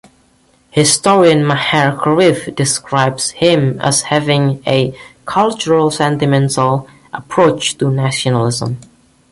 Historian Maher Charif describes him as having a "cultural-sentimental" approach to nationalism.